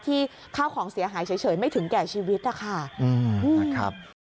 ข้าวของเสียหายเฉยไม่ถึงแก่ชีวิตนะคะ